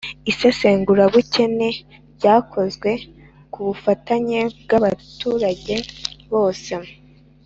isesengurabukene ryakozwe ku bufatanye bw'abaturage bose